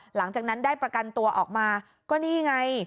หลังจากนั้นได้ประกันตัวออกมาก็นี่ไง